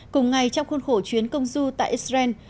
cùng ngày trong khuôn khổ chuyến công du tại israel